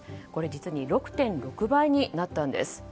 実に６．６倍になったんです。